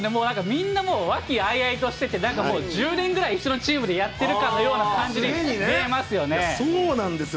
みんなもう和気あいあいとしてて、なんかもう１０年ぐらい一緒のチームでやってるかのような感じでそうなんですよ。